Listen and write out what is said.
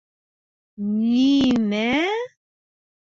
— Ни-мә?